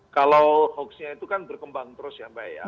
kalau hoaxnya itu kan berkembang terus ya mbak ya